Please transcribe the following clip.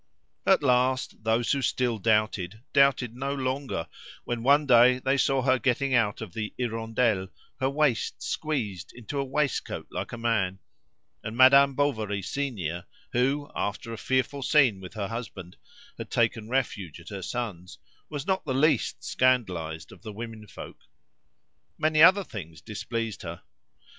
At last, those who still doubted doubted no longer when one day they saw her getting out of the "Hirondelle," her waist squeezed into a waistcoat like a man; and Madame Bovary senior, who, after a fearful scene with her husband, had taken refuge at her son's, was not the least scandalised of the women folk. Many other things displeased her.